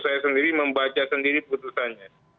saya sendiri membaca sendiri putusannya